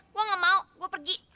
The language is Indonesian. gua gak mau gua pergi